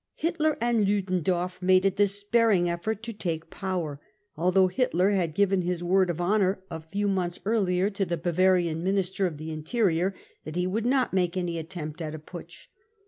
I Hitler and Ludendorff made a despairing effort to take # power, although Hitler had given his word of honour a few months earlier to the Bavarian Minister of the Interior that he would not make any attempt at a putsch